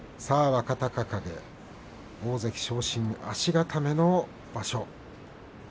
若隆景、大関昇進への足固めの場所。